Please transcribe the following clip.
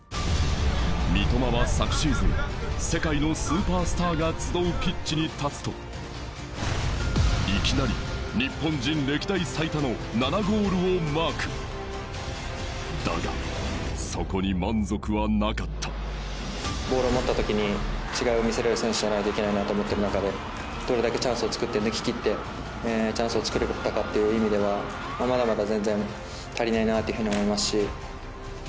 三苫は昨シーズン世界のスーパースターが集うピッチに立つといきなり日本人歴代最多の７ゴールをマークだがそこに満足はなかったボールを持ったときに違いを見せれる選手じゃないといけないなと思ってる中でどれだけチャンスを作って抜ききってチャンスを作れたかっていう意味ではまだまだ全然足りないなっていうふうに思いますしま